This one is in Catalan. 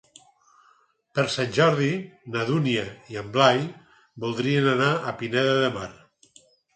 Per Sant Jordi na Dúnia i en Blai voldrien anar a Pineda de Mar.